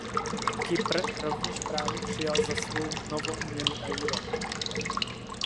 Kypr rovněž právě přijal za svou novou měnu euro.